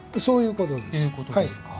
そういうことです。